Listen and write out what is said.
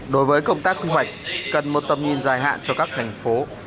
đối với công tác công mạch cần một tầm nhìn dài hạn cho các thành phố